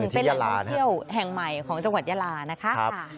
เป็นแหล่งท่องเที่ยวแห่งใหม่ของจังหวัดยาลานะคะ